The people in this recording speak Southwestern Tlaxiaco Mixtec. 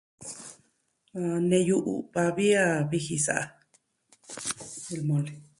Neyu u'va vi a viji sa'a. El mole